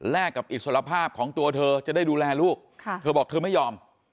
กับอิสรภาพของตัวเธอจะได้ดูแลลูกเธอบอกเธอไม่ยอม